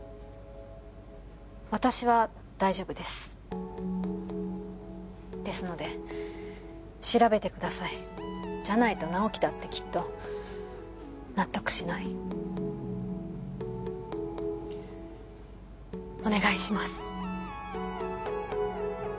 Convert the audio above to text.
私は大丈夫ですですので調べてくださいじゃないと直木だってきっと納得しないお願いします